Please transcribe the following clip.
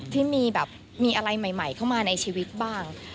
ที่มีแบบมีอะไรใหม่เข้ามาในชีวิตบ้าง